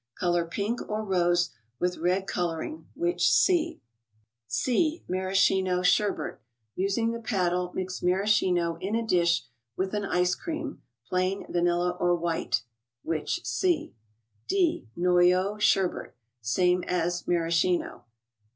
Color pink or rose, with " Red Coloring," which see. C— MARASCHINO SHERBET. Using the paddle, mix Maraschino in a dish with an ice cream, Plain, Vanilla, or " White," which see. D. —NOYAUX SHERBET. (Same as "Maras¬ chino.")